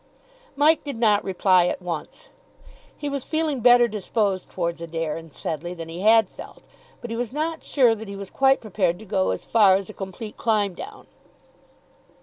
Mike did not reply at once. He was feeling better disposed towards Adair and Sedleigh than he had felt, but he was not sure that he was quite prepared to go as far as a complete climb down.